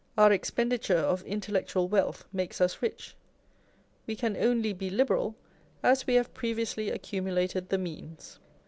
Our expenditure of intellectual wealth makes us rich : we can only be liberal as we have previously accumu lated the means.